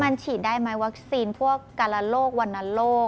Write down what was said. มันฉีดได้ไหมวัคซีนพวกการละโลกวรรณโรค